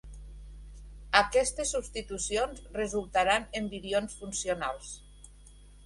Aquestes substitucions resultaran en virions funcionals.